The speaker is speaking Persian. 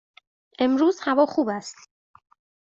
امروز هوا خوب است.